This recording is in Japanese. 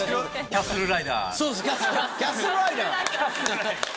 キャッスルライダー。